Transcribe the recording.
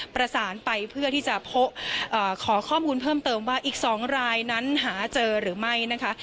ประสานไปเพื่อที่จะขอข้อมูลเพิ่มเติมว่าอีก๒รายนั้นหาเจอหรือไม่นะคะ